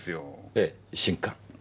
ええ新刊。